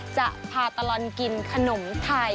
จะพาตลอดกินขนมไทย